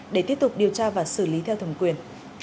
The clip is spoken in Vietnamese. để tiếp tục điều tra và xử lý theo thẩm quyền